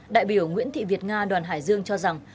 đại biểu nguyễn thị việt nga đoàn hải dương cho rằng